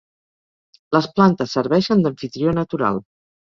Les plantes serveixen d'amfitrió natural.